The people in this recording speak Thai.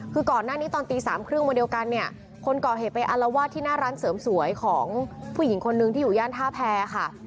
คือก่อนหน้านี้ตอนตีสามครึ่งวันเดียวกันเนี่ยคนก่อเหตุไปอารวาสที่หน้าร้านเสริมสวยของผู้หญิงคนนึงที่อยู่ย่านท่าแพรค่ะ